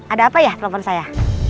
ada apa ya telepon saya